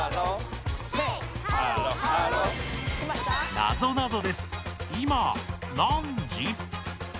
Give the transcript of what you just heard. なぞなぞです。